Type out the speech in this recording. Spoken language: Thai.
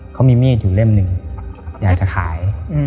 เขามีมีดอยู่เล่มหนึ่งอยากจะขาย